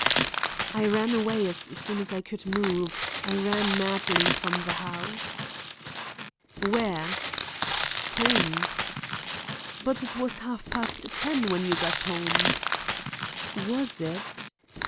"I ran away as soon as I could move; I ran madly from the house." "Where?" "Home." "But it was half past ten when you got home." "Was it?"